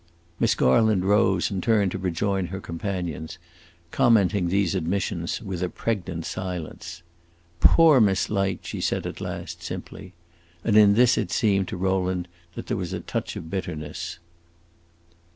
Miss Garland rose and turned to rejoin her companions, commenting these admissions with a pregnant silence. "Poor Miss Light!" she said at last, simply. And in this it seemed to Rowland there was a touch of bitterness.